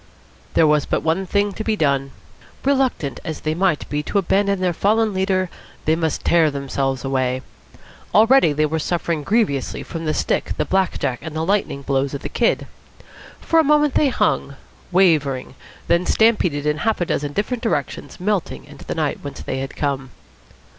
There was but one thing to be done. Reluctant as they might be to abandon their fallen leader, they must tear themselves away. Already they were suffering grievously from the stick, the black jack, and the lightning blows of the Kid. For a moment they hung, wavering; then stampeded in half a dozen different directions, melting into the night whence they had come.